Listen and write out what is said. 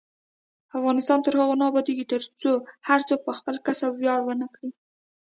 افغانستان تر هغو نه ابادیږي، ترڅو هر څوک په خپل کسب ویاړ ونه کړي.